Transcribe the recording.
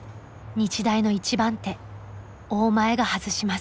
日大の１番手「大前」が外します。